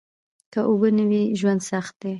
که اوبه نه وي ژوند سخت دي